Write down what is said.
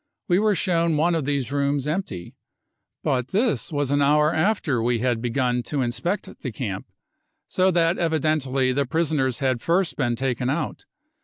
We were shown one of these rooms empty. But this was an hour after we had begun to inspect the camp, so that evidently the prisoners had first been taken out.